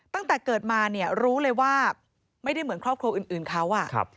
ตั้งแต่เกิดมาเนี่ยรู้เลยว่าไม่ได้เหมือนครอบครัวอื่นเขา